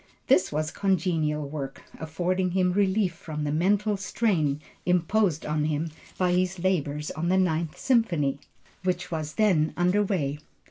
This was congenial work, affording him relief from the mental strain imposed on him by his labors on the Ninth Symphony, which was then under way.